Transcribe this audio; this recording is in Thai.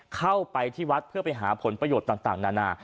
เข้าไปที่วัดเพื่อไปหาผลประโยชน์ต่างนานา